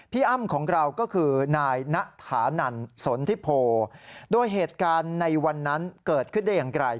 อ้ำของเราก็คือนายณถานันสนทิโพโดยเหตุการณ์ในวันนั้นเกิดขึ้นได้อย่างไร